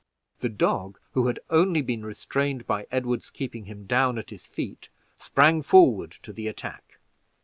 The dog, who had only been restrained by Edward's keeping him down at his feet, sprung forward to the attack.